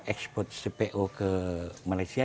ekspor cpo ke malaysia